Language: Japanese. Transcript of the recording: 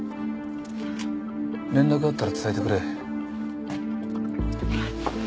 連絡あったら伝えてくれ。